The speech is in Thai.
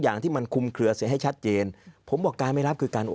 อย่างที่มันคุมเคลือเสียให้ชัดเจนผมบอกการไม่รับคือการ